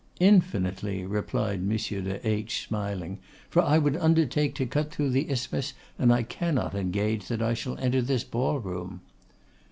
'Infinitely,' replied M. de H., smiling; 'for I would undertake to cut through the Isthmus, and I cannot engage that I shall enter this ball room.